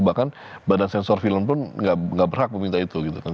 bahkan badan sensor film pun gak berhak meminta itu gitu kan